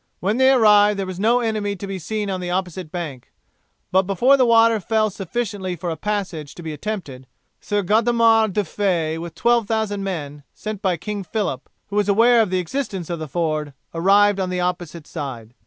When they arrived there no enemy was to be seen on the opposite bank, but before the water fell sufficiently for a passage to be attempted, Sir Godemar du Fay with 12,000 men, sent by King Phillip, who was aware of the existence of the ford, arrived on the opposite side.